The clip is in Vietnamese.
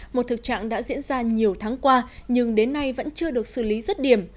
một thực trạng đã diễn ra nhiều tháng qua nhưng đến nay vẫn chưa được xử lý rất điểm